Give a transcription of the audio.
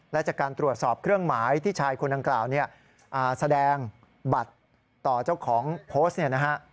และจากการตรวจสอบเครื่องหมายที่ชายคนดังกล่าวเนี่ยแสดงบัตรต่อเจ้าของโพสต์เนี่ยนะฮะ